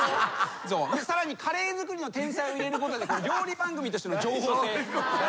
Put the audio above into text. さらに「カレー作りの天才」を入れることで料理番組としての情報性。